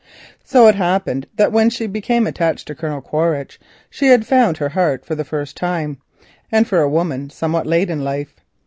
So it happened that when she became attached to Colonel Quaritch she had found her heart for the first time, and for a woman, somewhat late in life.